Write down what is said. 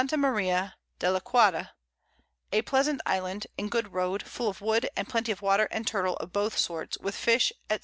Maria de l'Aquada_, a pleasant Island and good Road, full of Wood, and Plenty of Water and Turtle, of both sorts, with Fish, _&c.